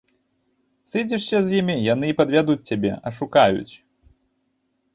Сыдзешся з імі, яны і падвядуць цябе, ашукаюць.